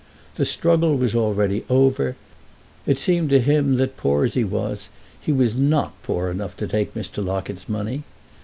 The struggle was already over; it seemed to him that, poor as he was, he was not poor enough to take Mr. Locket's money.